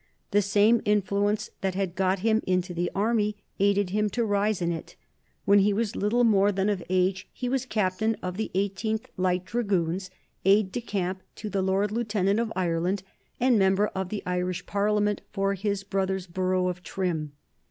The same influence that had got him into the army aided him to rise in it. When he was little more than of age he was captain of the Eighteenth Light Dragoons, aide de camp to the Lord Lieutenant of Ireland, and member of the Irish Parliament for his brother's borough of Trim.